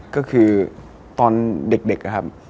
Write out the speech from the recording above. ก็คือตอนเด็ก